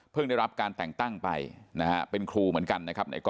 พึ่งได้รับการแต่งตั้งไปเป็นครูเหมือนกัน